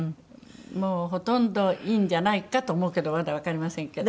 もうほとんどいいんじゃないかと思うけどまだわかりませんけど。